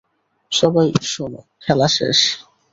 সবাই শোনো, খেলা শেষ!